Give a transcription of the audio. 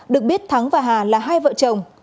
được biết thắng và hà là hai vợ chồng